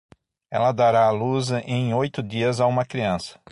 Ela dará a luz em oito dias a uma criança